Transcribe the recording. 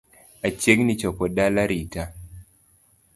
Achiegni chopo dala rita